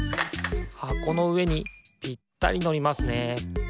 はこのうえにぴったりのりますね。